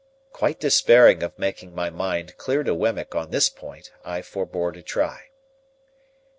Quite despairing of making my mind clear to Wemmick on this point, I forbore to try.